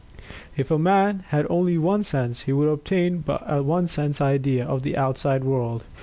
If a man had only one sense he would obtain but a one sense idea of the outside world.